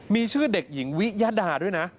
มีชื่อเด็กหญิงวิยดาด้วยนะ